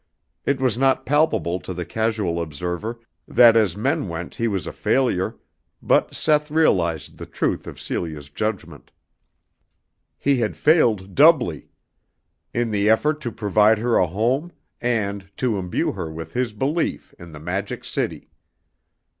It was not palpable to the casual observer that as men went he was a failure, but Seth realized the truth of Celia's judgment. He had failed doubly. In the effort to provide her a home, and to imbue her with his belief in the Magic City.